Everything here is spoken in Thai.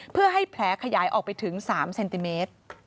เพื่อให้แผลขยายออกไปถึง๓เซนติเมตร